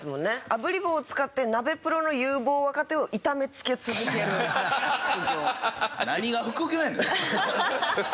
あぶり棒を使ってナベプロの有望若手を痛めつけ続ける副業。